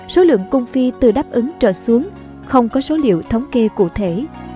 số lượng cung phi từ đáp ứng trở xuống không có số liệu thống kê cụ thể